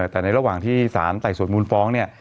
แต่ในระหว่างที่สารไต่สวนมูลฟ้องเนี่ย